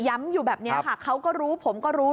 อยู่แบบนี้ค่ะเขาก็รู้ผมก็รู้